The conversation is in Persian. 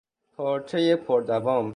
پارچهی پردوام